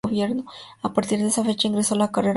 A partir de esa fecha, ingresó a la carrera judicial.